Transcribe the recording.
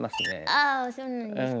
あそうなんですか。